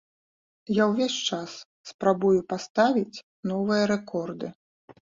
Я ўвесь час спрабую паставіць новыя рэкорды.